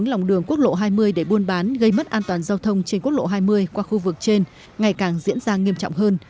những lòng đường quốc lộ hai mươi để buôn bán gây mất an toàn giao thông trên quốc lộ hai mươi qua khu vực trên ngày càng diễn ra nghiêm trọng hơn